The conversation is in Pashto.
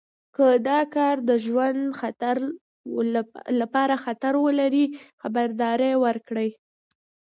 که دا کار د ژوند لپاره خطر ولري خبرداری ورکړئ.